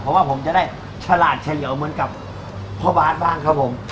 เพราะว่าผมจะได้ฉลาดเฉลี่ยวเหมือนกับพ่อบาสบ้างครับผม